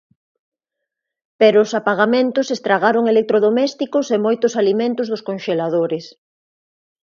Pero os apagamentos estragaron electrodomésticos e moitos alimentos dos conxeladores.